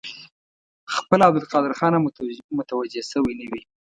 خپله عبدالقادر خان هم متوجه شوی نه وي.